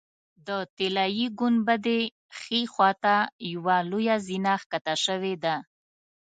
د طلایي ګنبدې ښي خوا ته یوه لویه زینه ښکته شوې ده.